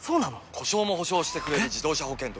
故障も補償してくれる自動車保険といえば？